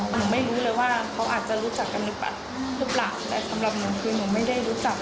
หนูไม่รู้เลยว่าเขาอาจจะรู้จักกันหรือเปล่าแต่สำหรับหนูคือหนูไม่ได้รู้จัก